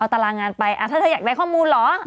ตารางงานไปถ้าเธออยากได้ข้อมูลเหรอ